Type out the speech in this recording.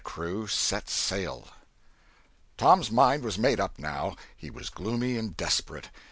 CHAPTER XIII TOM'S mind was made up now. He was gloomy and desperate.